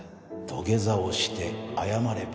土下座をして謝れば。